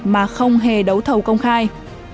mà không hề đấu thầu công khai